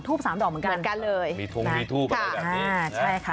ทูบสามดอกเหมือนกันเหมือนกันเลยมีทุ่มมีทูบอะไรแบบนี้อ่าใช่ค่ะ